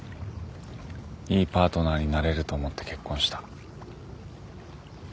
いいパートナーになれると思って結婚した。